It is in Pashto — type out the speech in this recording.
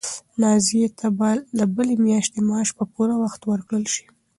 نازیې ته به د بلې میاشتې معاش په پوره وخت ورکړل شي.